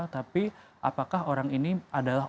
tapi apakah orang ini adalah